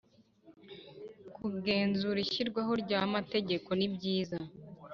kugenzura ishyirwaho rya amategeko nibyiza